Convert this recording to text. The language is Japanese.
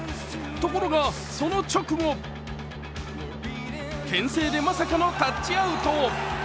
ところが、その直後、けん制でまさかのタッチアウト。